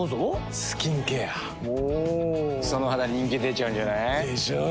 その肌人気出ちゃうんじゃない？でしょう。